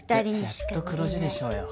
やっと黒字でしょうよ。